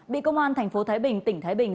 bị công an thành phố thái bình tỉnh thái bình